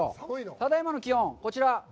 ただいまの気温、こちら。